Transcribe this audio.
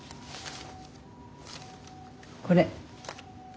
これ。